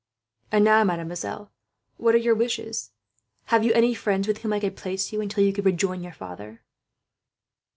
"And now, mademoiselle, what are your wishes? Have you any friends with whom I could place you, until you could rejoin your father?"